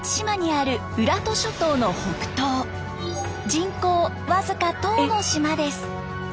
人口僅か１０の島です。